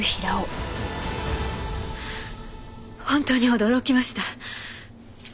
本当に驚きました。